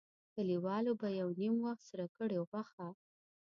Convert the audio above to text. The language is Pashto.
کلیوالو به یو نیم وخت سره کړې غوښه.